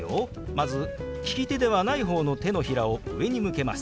まず利き手ではない方の手のひらを上に向けます。